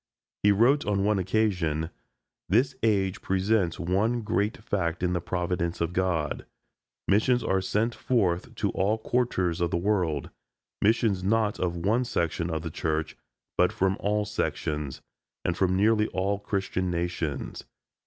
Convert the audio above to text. He wrote on one occasion: "This age presents one great fact in the Providence of God; missions are sent forth to all quarters of the world, missions not of one section of the Church, but from all sections, and from nearly all Christian nations.